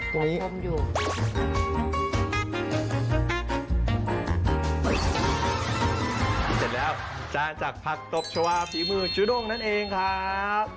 เสร็จแล้วจานจากผักตบชวาภิกมึงชุดงนั่นเองครับ